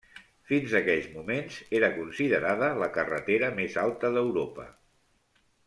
Fins aquells moments era considerada la carretera més alta d'Europa.